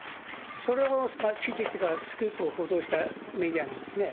それを、記事というかスクープを報道したメディアなんですね。